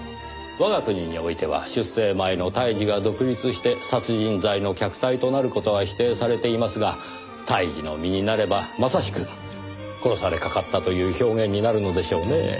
我が国においては出生前の胎児が独立して殺人罪の客体となる事は否定されていますが胎児の身になればまさしく殺されかかったという表現になるのでしょうねえ。